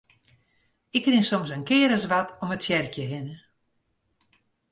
Ik rin soms in kear as wat om it tsjerkje hinne.